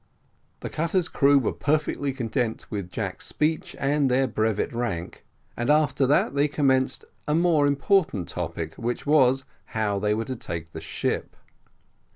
The cutter's crew were perfectly content with Jack's speech, and their brevet rank, and after that they commenced a more important topic, which was, how they were to take the ship.